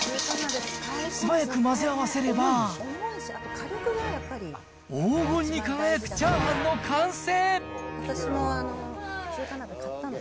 素早く混ぜ合わせれば、黄金に輝くチャーハンの完成。